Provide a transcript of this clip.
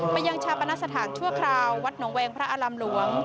ยังชาปนสถานชั่วคราววัดหนองแวงพระอารามหลวง